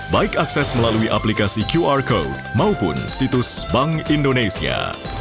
baik akses melalui aplikasi qr code maupun situs bank indonesia